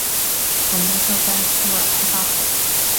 总部设在苏尔茨巴赫。